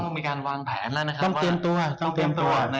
ต้องมีการวางแผนต้องเตรียมตัว